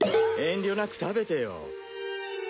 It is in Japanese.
遠慮なく食べてよ。